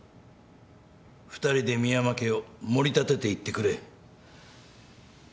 ２人で深山家を盛り立てていってくれ。